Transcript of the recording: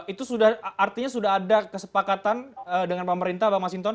itu sudah artinya sudah ada kesepakatan dengan pemerintah bang masinton